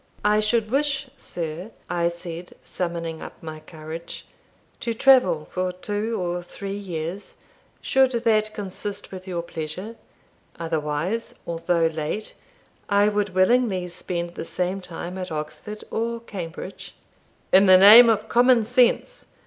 "I should wish, sir," I replied, summoning up my courage, "to travel for two or three years, should that consist with your pleasure; otherwise, although late, I would willingly spend the same time at Oxford or Cambridge." "In the name of common sense!